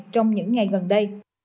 trong những ngày gần đây